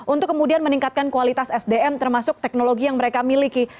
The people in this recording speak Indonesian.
untuk kemudian meningkatkan kualitas sdm termasuk teknologi yang mereka miliki